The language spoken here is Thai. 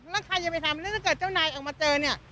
แล้วใครจะไปทำแล้วถ้าเกิดเจ้านายออกมาเจอเนี่ย